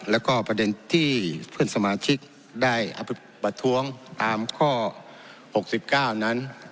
แล้วก็ประเด็นที่เพื่อนสมาชิกได้ประท้วงตามข้อ๖๙นั้น